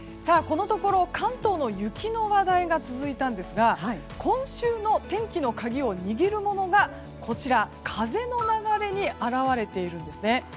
このところ関東の雪の話題が続いたんですが今週の天気の鍵を握るものが風の流れに現れているんですね。